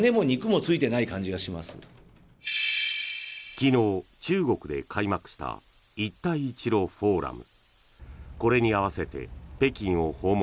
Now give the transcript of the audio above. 昨日、中国で開幕した一帯一路フォーラム。